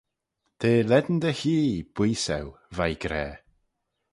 T'eh lane dy hee booise eu, v'ee gra.